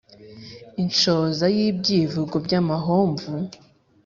Inshoza y’ibyivugo by’amahomvu